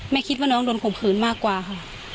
คิดว่าน้องโดนข่มขืนมากกว่าค่ะ